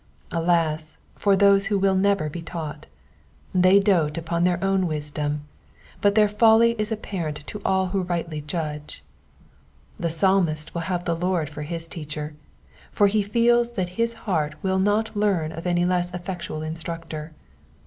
Alas, for those who will never be taught. They dote upoa their own wisdom ; but their folly is apparent to all who rightly judge. The Psalmist will have the Lord for his teacher ; for he feels that his heart will not learn of any less effectual instructor.